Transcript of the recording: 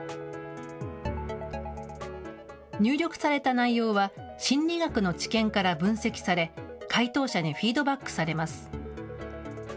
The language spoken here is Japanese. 入力された内容は、心理学の知見から分析され、回答者にフィードバックされます。